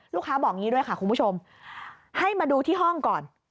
ลูกค้าบอกอย่างนี้ด้วยค่ะคุณผู้ชมให้มาดูที่ห้องก่อน